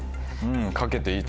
かけていい？